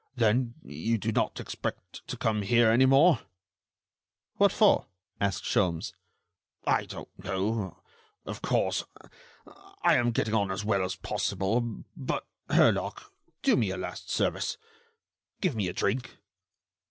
Then you do not expect to come here any more?" "What for?" asked Sholmes. "I don't know ... of course.... I am getting on as well as possible. But, Herlock, do me a last service: give me a drink."